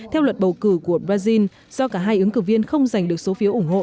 theo luật bầu cử của brazil do cả hai ứng cử viên không giành được số phiếu ủng hộ